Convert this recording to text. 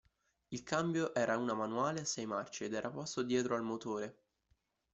Il cambio era una manuale a sei marce ed era posto dietro al motore.